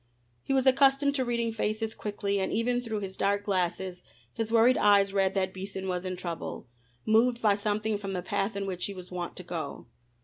He was accustomed to reading faces quickly and even through his dark glasses his worried eyes read that Beason was in trouble, moved by something from the path in which he was wont to go.